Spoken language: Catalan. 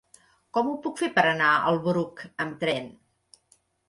Com ho puc fer per anar al Bruc amb tren?